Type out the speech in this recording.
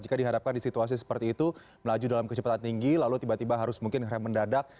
jika dihadapkan di situasi seperti itu melaju dalam kecepatan tinggi lalu tiba tiba harus mungkin rem mendadak